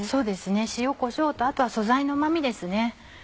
塩こしょうとあとは素材のうま味ですね。